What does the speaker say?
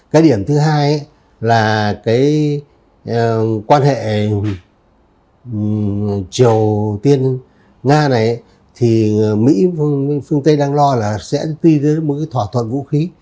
cái điểm thứ hai là cái quan hệ triều tiên nga này thì mỹ phương tây đang lo là sẽ đi với một cái thỏa thuận vũ khí